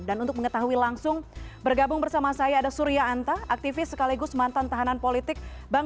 dan untuk mengetahui langsung bergabung bersama saya ada surya anta aktivis sekaligus mantan tahanan politik